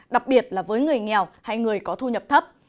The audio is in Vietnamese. đặc biệt là với người nghèo hay người có thu nhập thấp